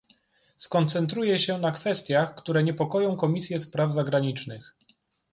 Skoncentruję się na kwestiach, które niepokoją Komisję Spraw Zagranicznych